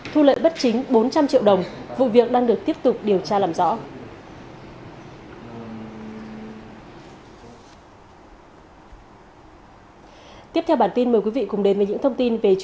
thu lợi bất chính bốn trăm linh triệu đồng